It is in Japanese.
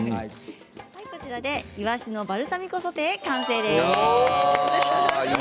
いわしのバルサミコソテー完成です。